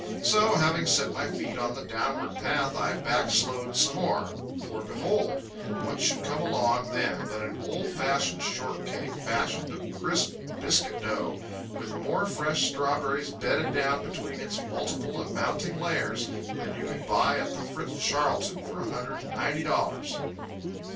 So, having set my feet on the downward path I backslode some more for behold, what should come along then but an old fashioned shortcake, fashioned of crisp biscuit dough, with more fresh strawberries bedded down between its multiplied and mounting layers than you could buy at the Fritz Charlton for a hundred and ninety dollars.